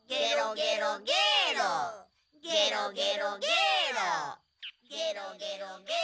ゲロゲロゲロ。